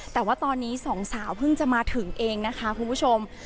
แต่ว่าตอนนี้สองสาวเพิ่งจะมาถึงเองนะคะคุณผู้ชม